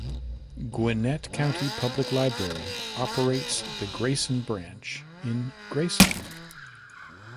Gwinnett County Public Library operates the Grayson Branch in Grayson.